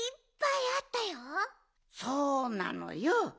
そうなのよ。